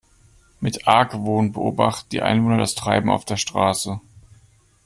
Mit Argwohn beobachten die Einwohner das Treiben auf der Straße.